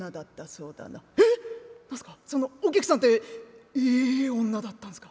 「えっ何ですかそのお菊さんっていい女だったんですか」。